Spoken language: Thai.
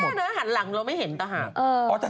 ไม่แน่นะหันหลังเราไม่เห็นตะหาก